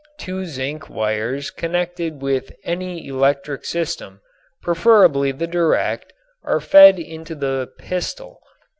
Two zinc wires connected with any electric system, preferably the direct, are fed into the "pistol."